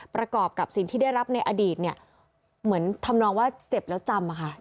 ประกอบกับสิ่งที่ได้รับในอดีตเนี่ยเหมือนทำนองว่าเจ็บแล้วจำอะค่ะ